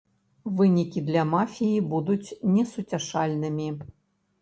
Вынікі для мафіі будуць несуцяшальнымі.